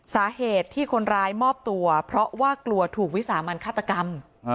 สาเหตุที่คนร้ายมอบตัวเพราะว่ากลัวถูกวิสามันฆาตกรรม